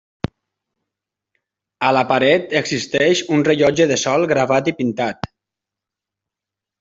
A la paret existeix un rellotge de sol gravat i pintat.